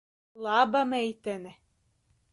Laba meitene.